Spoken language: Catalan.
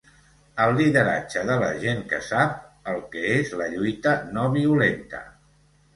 El lideratge de la gent que sap el que és la lluita no violenta.